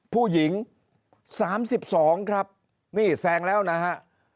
ผู้หญิง๓๒ครับนี่แซงแล้วนะฮะ